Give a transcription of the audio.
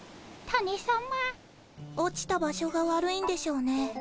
落ちた場所が悪いんでしょうね。